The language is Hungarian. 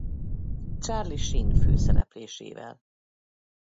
Charlie Sheen főszereplésével.